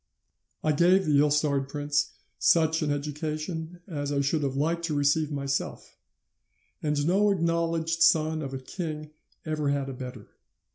"'I gave the ill starred prince such an education as I should have liked to receive myself, and no acknowledged son of a king ever had a better.